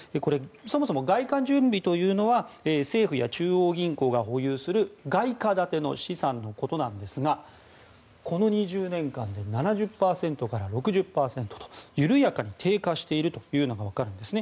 そもそも外貨準備というのは政府や中央銀行が保有する外貨建ての資産のことなんですがこの２０年間で７０％から６０％と緩やかに低下しているというのがわかるんですね。